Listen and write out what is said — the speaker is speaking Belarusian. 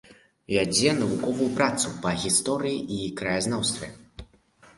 Вядзе навуковую працу па гісторыі і краязнаўстве.